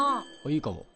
いいかも。